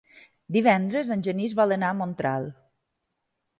Divendres en Genís vol anar a Mont-ral.